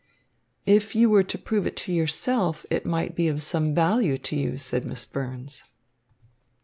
"If you were to prove it to yourself, it might be of some value to you," said Miss Burns.